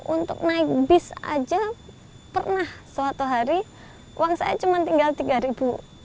untuk naik bis aja pernah suatu hari uang saya cuma tinggal rp tiga